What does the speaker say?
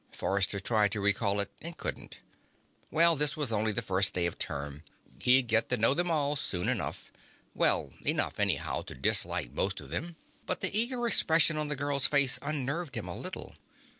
Forrester tried to recall it and couldn't. Well, this was only the first day of term. He'd get to know them all soon enough well enough, anyhow, to dislike most of them. But the eager expression on the girl's face unnerved him a little.